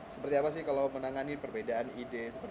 seperti apa sih kalau menangani perbedaan ide